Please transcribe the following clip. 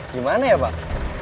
gimana ya pak